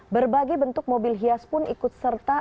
berbagai bentuk mobil hias pun ikut serta